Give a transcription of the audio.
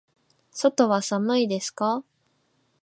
外は寒いですか。